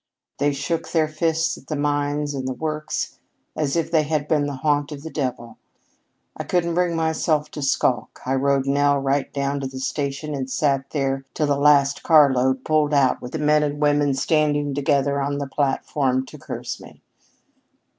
They shook their fists at the mines and the works as if they had been the haunt of the devil. I couldn't bring myself to skulk. I rode Nell right down to the station and sat there till the last carload pulled out with the men and women standing together on the platform to curse me."